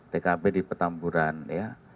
tkp di petamburan ya